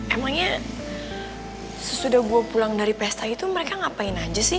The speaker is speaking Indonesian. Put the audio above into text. emangnya sesudah gue pulang dari pesta itu mereka ngapain aja sih